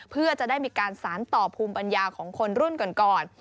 เพื่อจะได้มีการสารต่อภูมิปัญญาของคนรุ่นก่อน